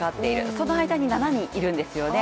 その間に７人いるんですね。